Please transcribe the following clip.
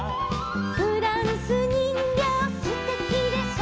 「フランスにんぎょうすてきでしょ」